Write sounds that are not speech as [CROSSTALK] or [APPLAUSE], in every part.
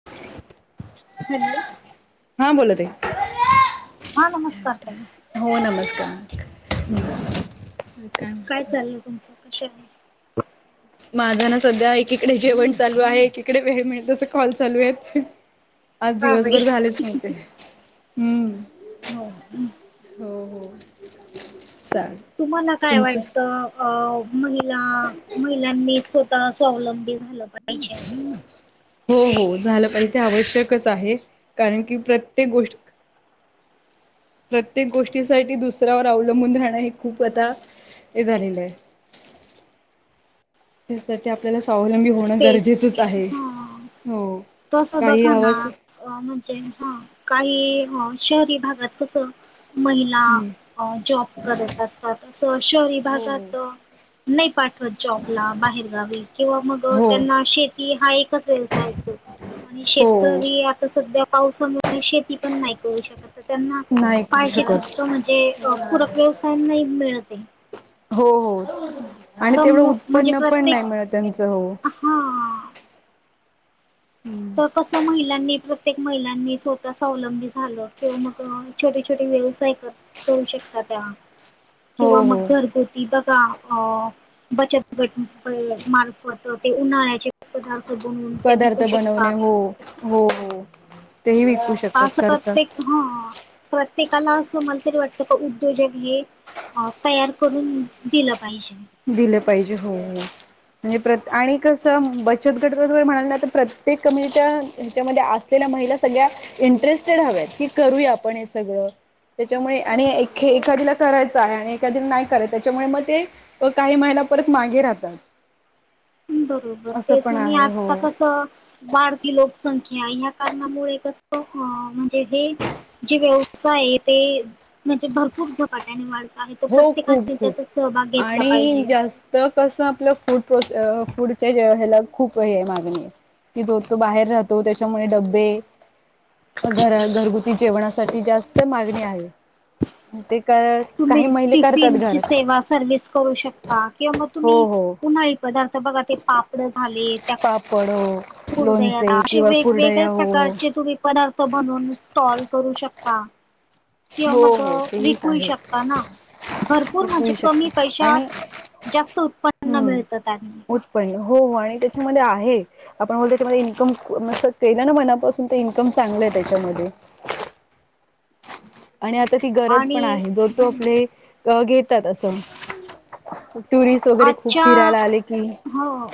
ह [UNINTELLIGIBLE] हॅलो. हा बोला ताई. हा नमस्कार ताई. हो नमस्कार. काय चाललं तुमचं कशा आहात. माझं ना सध्या एकीकडे जेवण चालू आहे एकीकडे वेळ मिळेल तस कॉल चालू आहेत. ह [UNINTELLIGIBLE] आज दिवसभर झालेच नव्हते हम. हो हम. हो हो चाल तुम्हाला काय वाटतं अ महिला महिलांनी सोप स्वतः स्वावलंबी झालं पाहिजे. हम असं. हम. [UNINTELLIGIBLE] हो हो झालं पाहिजे ते आवश्यकच आहे कारण की प्रत्येक गोष्टी प्रत्येक गोष्टीसाठी दुसऱ्यावर अवलंबून राहणं हे खूप आता ते झालेल हाय त्यासाठी आपल्याला स्वावलंबी होण तेच गरजेच आहे हा हो तसं काही बघा ना आवाज अ म्हणजे हा काही हा शहरी भागात कसं महिला हम्म. जॉब करत असतात तस शहरी हो भागात नाही पाठवत जॉबला बाहेरगावी किंवा मग हो. हो त्यांना शेती हा एकच व्यवसाय असतो आणि हो शेतकरी आता सध्या पावसामुळे शेती पण नाही करू शकत. त्यांना नाही करू पाहिजे शकत तितकं म्हणजे पूरक व्यवसायांना नाही मिळते. हो हो आणि तर तेवढं मग म्हणजे उत्पन्न पण प्रत्येक नाही मिळत त्याचं हो. हा तर कसं महिलांनी प्र प्रत्येक महिलांनी स्वतः स्वावलंबी झालं किंवा मग छोटे छोटे व्यवसाय कर करू शकता त्या हो किंवा हो मग घरगुती बघा अ बचत गट मार्फत ते उन्हाळ्याचे पदार्थ बनवून ते पदार्थ विकू बनवणे शकतात हो हो तेही विकू शक असं प्रत्येक हा प्रत्येकाला असं मला तरी वाटतं का उद्योजक हे अ तयार करून दिलं पाहिजे दिलं पाहिजे हो म्हणजे प्र आणि कसं बचत गट म्हणाला तर प्रत्येक कम्युनिटी हच्यामध्ये ल्या महिला सगळ्या इंटरेस्टेड हव्यात की करूया आपण हे सगळं त्याच्यामुळे आणि ए एखादीला करायचं आहे आणि एखादीला नाही कराय त्याच्यामुळे मग ते काही महिला परत मागे राहतात बरोबर असं तेच पण आणि आहे आता हो कसं वाढती लोकसंख्या या कारणामुळे कसं म्हणजे हे जे व्यवसाय आहे ते म्हणजे भरपूर झपाट्याने वाढत आहे तो हो खूप प्रत्येकाने त्याचा सहभाग घेतला पाहिजे. तर कसं आपलं फूड प्रोसे फूडच्या ज ह्याला खूप हे मागणी हाय. की जो तो बाहेर राहतो त्याच्यामुळे डब्बे घर घरगुती जेवणासाठी जास्त मागणी आहे ते का तुम्ही टिफिनची सेवा सर्विस करू शकता किंवा मग हो तुम्ही हो उन्हाळी पदार्थ बघा ते पापड झाले त्या पडो असे वेगवेगळ्या हो प्रकारचे तुम्ही पदार्थ म्हणून इस्टॉल करू शकता किंवा हो मग हो तेच विकू आहे शकता ना भरपूर ते म्हणजे होऊ कमी शकत आणि पैशात जास्त उत्पन्न मिळतं त्यांनी पण हो आणि त्याच्यामध्ये आहे आपण बोलतो त्याच्यामध्ये इन्कम म केलं ना मनापासून तर इन्कम चांगलं आहे त्याच्यामध्ये आणि आता ती गरज पण आणि आहे जो तो आपले घेतात असं टुरिस्ट वगैरे खूप आजच्या फिरायला आले की हो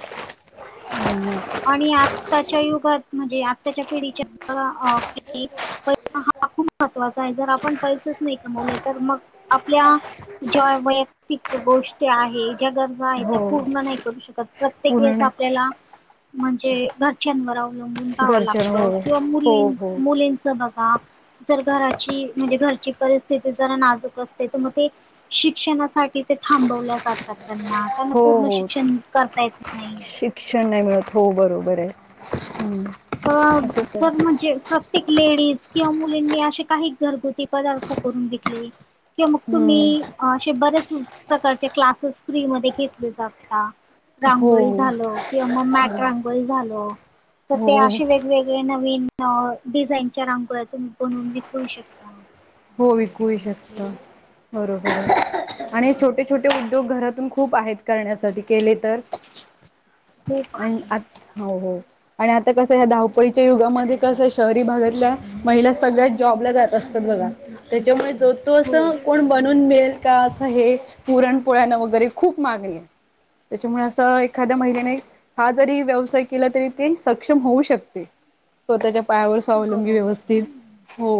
आणि आत्ताच्या युगात म्हणजे आत्ताच्या पिढीच्या कि पैसा हा खूप महत्वाचा आहे जर आपण पैसेच नाही कमवले तर मग आपल्या ज्या वैयक्तिक गोष्टी आहे ज्या गरजा आहेत त्या हो पूर्ण नाही करू शकत प्रत्येक पूर्ण वेळेस नाही आपल्याला करू म्हणजे घरच्यांवर अवलंबून राहावं घरच्या लागत हो किंवा हो मुली हो मुलींच बघा जर घराची म्हणजे घरची परिस्थिती जरा नाजूक असते तर मग ते शिक्षणासाठी ते थांबवल्या जातात त्यांना त्यांना हो पूर्ण शिक्षण करता येत नाही किक्षण नाही मिळत हो बरोबर आहे तर असंच आहे जर म्हणजे प्रत प्रत्येक लेडीज किंवा मुलींनी असे काही घरगुती पदार्थ करून विकले कि मग हम्म तुम्ही असे बरेच प्रकारचे क्लासेस फ्री म घेतले जातात हो रांगोळी झाल किंवा मग मॅट रांगोळी झाल ते हो असे वेगवेगळे नवीन डिझाईनच्या रांगोळ्यातून बनवून विकू शकता हो विकू शकत बरोबर आणि छोटे छोटे उद्योग घरातून खूप आहेत करण्यासाठी केलेत तर खूप अ आहे आ हो हो आणि आता कसं या धावपळीच्या युगामध्ये कसं शहरी भागातल्या महिला सगळ्या जॉबला जात असतात बघा त्याच्यामुळे जो तो हो असं कोण बनून मेळेल कां हे पुरण पोळ्यानं वगैरे खूप मागणी आहे त्याच्यामुळे असं एखाद्या महिन्याने हा जरी व्यवसाय केला तरी ते सक्षम होऊ शकते स्वतःच्या पायावर स्वावलंबी बरोबर व्यवस्थित हो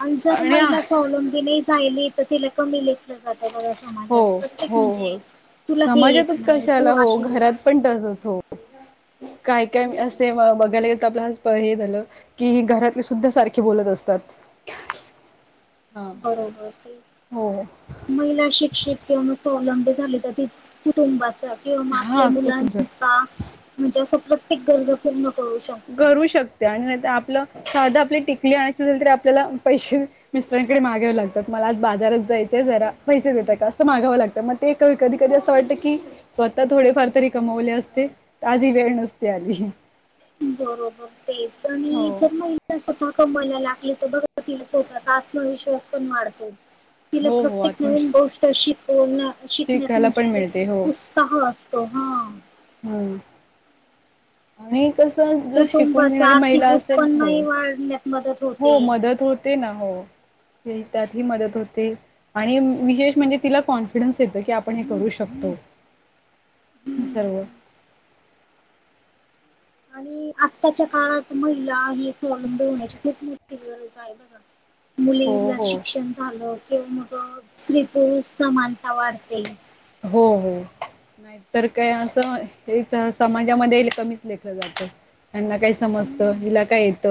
आणि जर महिला सवलंबी नाही जायली तर तिला कमी लेखलं जातं बघ हो समाजात प्रत्येक हो म्हणजे हो तुला हे येत समाजातच नाही तू कशाला हो अशी घरात पण तसच हो काय काय हो असे बघायला ग तर आपला हे झालं की घरातले सुद्धा सारखे बोलत असतात. हा. बरोबर, हो महिला शिक्षित किंवा स्वावलंबी झाली तर कुटुंबाचा किंवा आपल्या हा तुमचं मुलांचा म्हणजे असं प्रत ऐक गरज पूर्ण करू शकते. करू शकते आणि नाही आपलं साध आपली टिकली आणायच असल तरी आपल्याला पैसे मिस्टरांकडे मागावं लागतात, मला आज बाजारात जायचे जरा पैसे देतात का? असं मागावं लागतं म ते कधी कधी असं वाटतं की? स्वतः थोडेफार तरी कमवले असते, त आज ही वेळ नसती आली. बरोबर, तेच आणि हो. जर महिला स्वतः कमायला लागली तर तिला स्वतःचा आत्मविश्वास पण वाढतो, तिला हो हो प्रत्येक आत नवीन गोष्ट तशी, बोल ना शिकण्यात शिकायला पण म्हणजे मिळते उत्साह असतो. हा हम आणि कस जर शिकून कुटुंबाचा घेणारी महिला आर्थिक असेल, हो उत्पन्नही वाढण्यात मदत हो होते. मदत होत ते ना, हो ते त्यातही मदत होते. आणि विशेष म्हणजे तिला कॉन्फिडन्स येतं की आपण हे करू शकतो. [INAUDIBLE] सर्व आणि आत्ताच्या काळात महिला ही स्वावलंबी होण्याची खूप मो गरज आहे बघ हो मुलीला हो शिक्षण झालं किंवा मग स्त्री पुरुष समानता वाढते. हो हो नाही तर काय असं एक समाजामध्ये कमीच लेखलं जातं. त्यांना काय समजतं, हम्म हिला काय येत?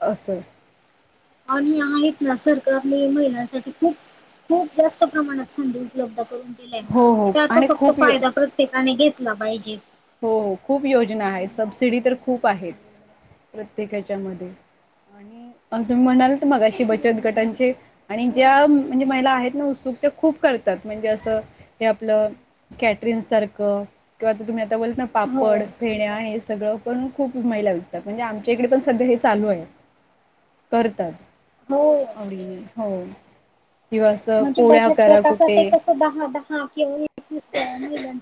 अस आणि आहेत ना सरकारने महिलांसाठी खूप खूप जास्त प्रमाणात संधी उपलब्ध करून दिल्या हो हो त्याचा आणि फक्त खूप यो फायदा ठिकाणी घेतलं पाहिजे. हो हो खूप योजना आहेत. सबसिडी तर खूप आहेत प्रत्येक याच्या मधे आणि तुम्ही म्हणाल तर मागाशी बचत गटांचे आणि ज्या म्हणजे महिला आहेत ना उत्सुक त्या खूप करतात म्हणजे असं हे आपलं कॅटरीन सारखं किंवा तुम्ही आता बोलात ना हो पापड, फेण्या हे सगळं पण खूप महिला विकतात म्हणजे आमच्या इकडे पण सध्या हे चालू आहे. करतात. हो आवडीने हो दिवस म्हणजे बचत गटाचा ते कस दहा दहा किंवा व महिलां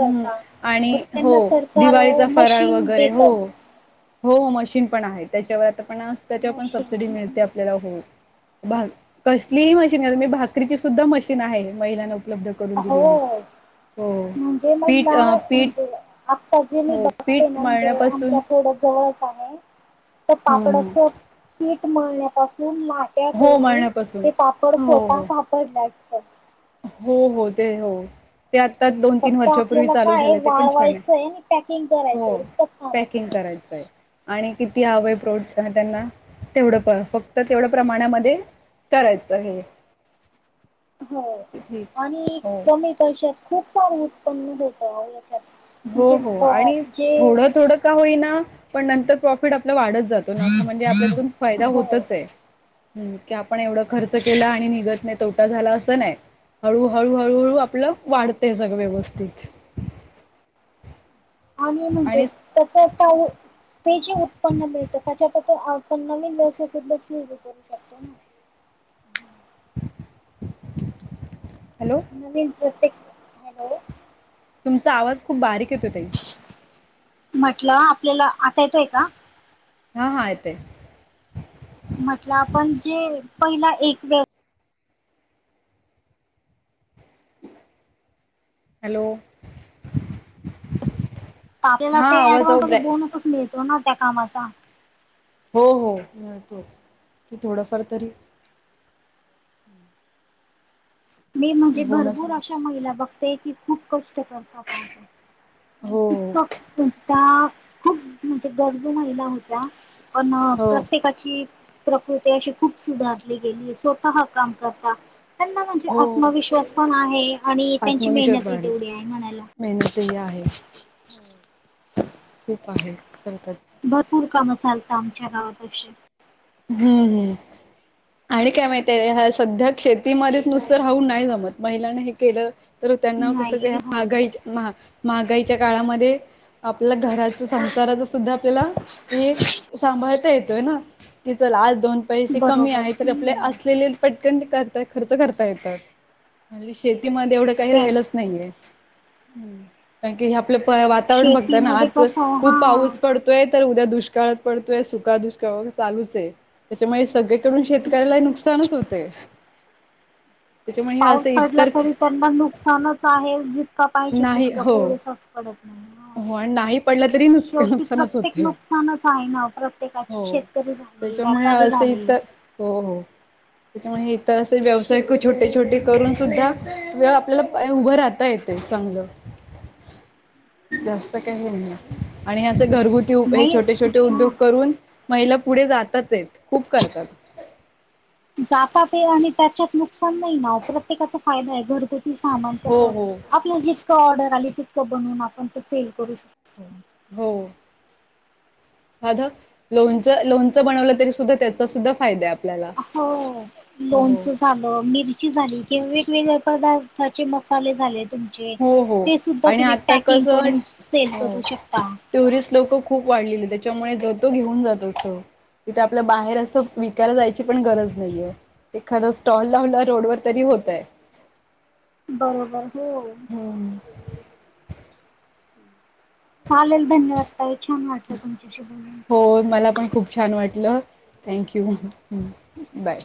हम् आणि हो सरकार दिवाळीचा फराळ मशीन वगैरे देत हो - हो हो मशीन पण आहे. त्याच्यावर आता पण त्याच्यावर पण मशीन सबसिडी मिळते आपल्याला हो. कसलीही मशीन आहे, मी भाकरीची सुद्धा मशीन आहे महिलांना उपलब्ध करून हो दिलेली हो म्हणजे पीठ महिला अ पीठ म्हणजे आत्ता जे मी हो बघ ते पीठ ना म्हणजे आमच्या मळण्यापासून थोडं जवळच आहे. तर हं पापडाच पीठ मळण्यापासून लाट त्या हो करून मळण्यापासून ते पापड हो स्वतः हो पापड लाटतात. हो हो ते हो ते आत्ता दोन तीन फक्त वर्षापूर्वी आपल्याला चालू काय आहे, झालं ते पण छान आहे वाळवायचंय आणि पॅकिंग हो. करायचं इतकंच काम पॅकिंग असतं करायचंय. आणि किती हवंय फोट्स त्यांना तेवढं प फक्त तेवढं प्रमाणामध्ये करायचं हे हो ठीक आहे आणि हो कमी पैशातत खूप छग उत्पन्न होत याच्यात हो म्हणजे हो ब आणि जे थोडं थोडं का होईना पण नंतर प्रॉफिट आपलं वाढत जातं. तो नफा म्हणजे आपल्याला त्यातून फायदा हो होतच आहे. हम्, की आपण एवढा खर्च केला आणि निघत नाही. तोटा झाला, असं नाही. हळूहळू, हळूहळू आपलं वाढतय सग, व्यवस्थित. आणि म्हणजे [UNINTELLIGIBLE] ते जे उत्पन्न मिळत. त्याच्यात आपण नवीन [UNINTELLIGIBLE] करू शकतो ना [INAUDIBLE] हॅलो. नवीन प्रत्येक, हॅलो. तुमचा आवाज, खूप बारीक येतोय ताई. [INAUDIBLE] म्हटलं, आपल्याला. आता येतोय का? हा, येतय. म्हटलं. आपण जे पहिला एक व [INAUDIBLE] हॅलो [UNINTELLIGIBLE] आपल्याला ते आवाज अहो ऍडव्हान्स मधे ब्रे बोनसच मिळतो ना, त्या कामाचा. हो, हो, मिळतो. की थोडंफार तरी मी म्हणजे, बोनस भरपूर अशा मिळतो महिला बघतेय की खूप कष्ट करतात आता. हो तितकं [UNINTELLIGIBLE] त्या, खूप म्हणजे गरजू महिला होत्या. पण हो हो प्रत्येकाची प्रकृती अशी खूप सुधारली गेली. स्वतः काम करता. त्यांना म्हणजे हो आत्मविश्वास पण आहे. आणि त्यांची आत्मविश्वास मेहनतही वाढला तेवढी आहे म्हणायला. मेहनतही आहे खूप आहे. [UNINTELLIGIBLE] भरपूर काम चालता. आमच्या गावात अशी. हम्म, ह्. आणि काय माहितय, ह सध्या शेतीध्येत नुसतं राहून नाही जमत. महिलांने हे केलं तर त्यांना कस, नाही हो. महागाई, महा, महागाईच्या काळामध्ये आपल्या घराच, संसाराच सुद्धा, आपल्याला हे सांभाळता येतोय ना? की चला, आज दोन पैसे कमी बरोबर आहे तर, आपले हम्म असलेले पटकन ते करता खर्च करता येतात. ओन्ली शेतीमध्ये एवढं काही तेच. राहिलच नाहीये. कारण की ह्या प वातावरण बघता ना, शेतीमध्ये आज कसं हा खूप पाऊस पड तोय. तर उद्या दुष्काळात पडतोय, सुका दुष्काळ व चालूचय. त्याच्यामुळे सगळे करून शेतकऱ्यालाही नुकसानच होतेय. पाऊस पडला तरी, त्यांना नुकसानच आहे. जितका पाहिजे नाही तितका हो पुरेसाच पडत नाही, हा. हो आणि नाही पडलं तरी नुसक शेवटी नुकसानच प्रत्येक होते नुकसानच आहे ना. प्रत्येकाची हो. शेत करी झाले, त्याच्यामुळे व्यापारी असं झाले. इतर हो, हो. त्याच्यामुळे इथं असे, व्यवसाय क छोटे -छोटे करून सुद्धा व आपल्याला उभं राहता येतं. ते चांगलं. जास्त काही [UNINTELLIGIBLE] आणि असे उपे घरगुती हे नाही छोटे छोटे उद्योग हा करून महिला पुढे जातातयत, खूप करतात. जातात ये आणि त्याच्यात नुकसान नाही ना. प्रत्येकाचा फायदाय. घरगुत सामान हो कसं, हो आपलं जितकं ऑर्डर आली, तितकं बनवून आपण ते सेल करू शकतो. हो [INAUDIBLE] साधं लोनच, लोणचं बनवलं तरी सुद्धा त्याचा सुद्धा फायदाय आपल्याला. हो. हो हो लोणच झालं, मिरची झाली कि वेगवेगळ्या पदार्थाचे मसाले झाले. [UNINTELLIGIBLE] हो हो ते सुद्धा आणि तुम्ही आता पॅकिंग कसं करून, सेल हो करू शकता. टुरिस्ट लोकं खूप वाढलेली. त्याच्यामुळे जो तो घेऊन जात असं. तिथे आपलं बाहेर असं, विकायला जायची पण गरज नाहीये. एखादा स्टॉल लावला रोड वर तरी होतय. बरोबर, हो. [UNINTELLIGIBLE] चालेल धन्यवाद ताई छान वाटलं तुमच्याशी ब हो मला पण खूप छान वाटलं थँक्यू बाय